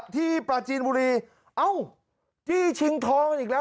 ที่ประจีนบุรีที่ชิงทองอีกแล้ว